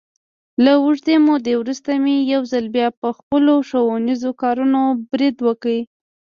له اوږدې مودې ورسته مې یو ځل بیا، په خپلو ښوونیزو کارونو برید وکړ.